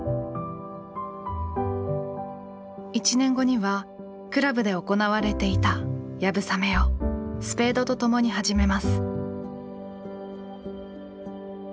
１年後には倶楽部で行われていた流鏑馬をスペードと共に始めます。